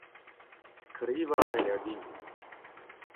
Skrivañ a rae din.